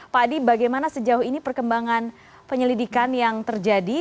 pak adi bagaimana sejauh ini perkembangan penyelidikan yang terjadi